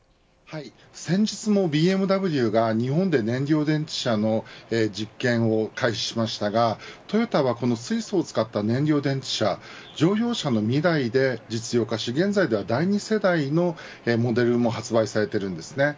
先日もＢＭＷが日本で燃料電池車の実験を開始しましたがトヨタはこの水素を使った燃料電池車乗用車のミライで実用化し現在では第２世代のモデルも発売されています。